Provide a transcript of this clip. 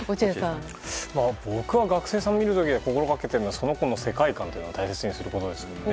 僕は学生さんを見る時に心がけているのはその子の世界観を大切にすることですね。